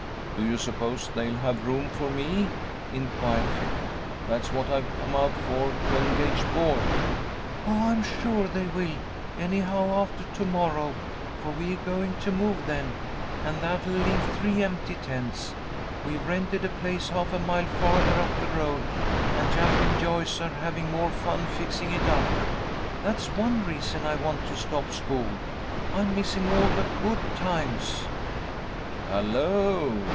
"Do you suppose they'll have room for me?" inquired Phil. "That's what I've come out for, to engage board." "Oh, I'm sure they will, anyhow, after to morrow, for we're going to move then, and that'll leave three empty tents. We've rented a place half a mile farther up the road, and Jack and Joyce are having more fun fixing it up. That's one reason I want to stop school. I'm missing all the good times." "Hello!